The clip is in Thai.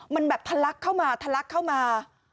มันแบบทะลักเข้ามาทะลักเข้ามา